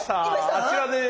あちらです。